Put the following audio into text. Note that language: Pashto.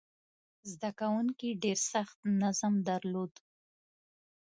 زده کوونکي ډېر سخت نظم درلود.